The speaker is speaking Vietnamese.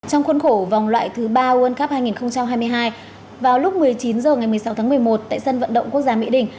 trong khuôn khổ vòng loại thứ ba world cup hai nghìn hai mươi hai vào lúc một mươi chín h ngày một mươi sáu tháng một mươi một tại sân vận động quốc gia mỹ đình